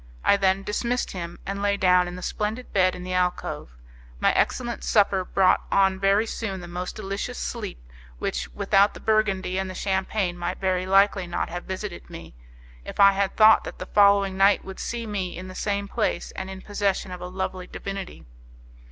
I then dismissed him, and lay down in the splendid bed in the alcove; my excellent supper brought on very soon the most delicious sleep which, without the Burgundy and the Champagne, might very likely not have visited me, if I had thought that the following night would see me in the same place, and in possession of a lovely divinity.